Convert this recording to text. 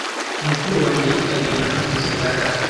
Mukuru wanjye yitabiriye inama mu izina rya data.